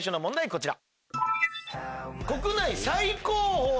こちら。